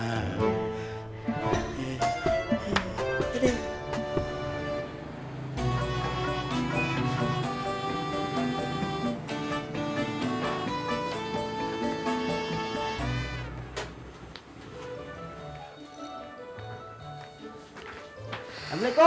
jangan lupa bakar okey